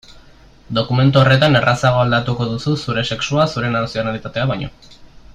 Dokumentu horretan errazago aldatuko duzu zure sexua zure nazionalitatea baino.